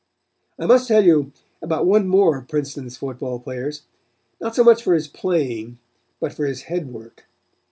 "I must tell you about one more of Princeton's football players. Not so much for his playing, but for his head work.